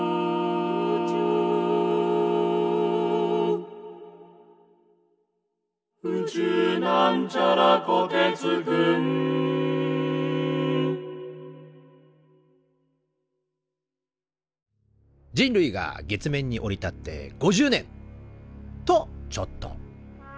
「宇宙」人類が月面に降り立って５０年！とちょっと。